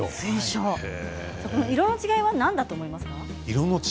色の違いは何だと思いますか？